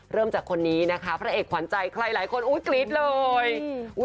เริ่มจากคนนี้พระเอกถ้าย่อทรายใครอีกละ